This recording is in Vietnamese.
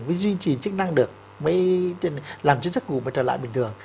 mới duy trì chức năng được mới làm chức sức ngủ mới trở lại bình thường